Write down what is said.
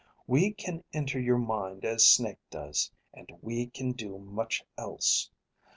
We can enter your mind as Snake does. And we can do much else.